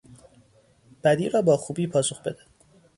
بدی را با خوبی پاسخ بده.